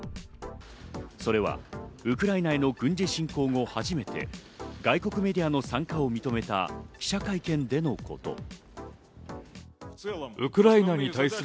それはウクライナへの軍事侵後、初めて外国メディアの参加を認めた記者会見でのこと。